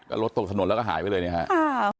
ก็รถตกถนนแล้วก็หายไปเลยเนี้ยค่ะอ้าว